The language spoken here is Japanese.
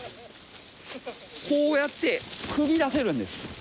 こうやって首出せるんです。